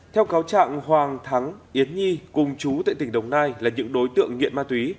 theo cáo trạng hoàng thắng yến nhi cùng chú tại tỉnh đồng nai là những đối tượng nghiện ma túy